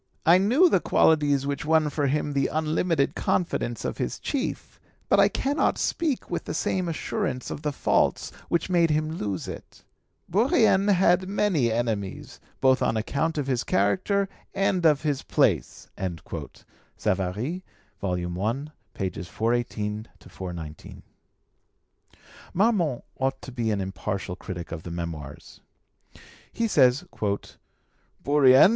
I knew the qualities which won for him the unlimited confidence of his chief, but I cannot speak with the same assurance of the faults which made him lose it. Bourrienne had many enemies, both on account of his character and of his place" (Savary, i. 418 19). Marmont ought to be an impartial critic of the Memoirs. He says, "Bourrienne